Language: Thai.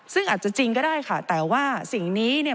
ซึ่งอาจจะจริงก็ได้ค่ะแต่ว่าสิ่งนี้เนี่ย